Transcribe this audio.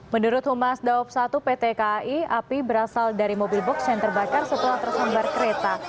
menurut humas daop satu pt kai api berasal dari mobil box yang terbakar setelah tersambar kereta